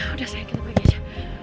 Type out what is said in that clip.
udah sayang kita pergi aja